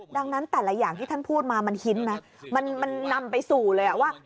ดังนั้นแต่ละอย่างที่ท่านพูดมามันฮินนะมันนำไปสู่เลยว่า